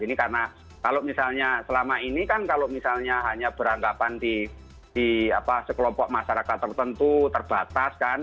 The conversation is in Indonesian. ini karena kalau misalnya selama ini kan kalau misalnya hanya beranggapan di sekelompok masyarakat tertentu terbatas kan